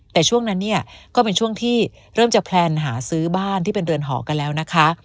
แต่ช่วงนั้นเนี่ยก็เป็นช่วงที่เริ่มจะแพลนหาซื้อบ้านที่เป็นเรือนหอกันแล้วนะคะ